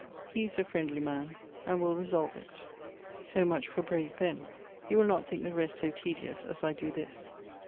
he is a friendly man and will resolue it. So much for brave Ben. You will not think the rest so tedyus, as I doe this.